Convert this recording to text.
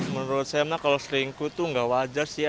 menurut saya kalau selingkuh tuh nggak wajar sih ya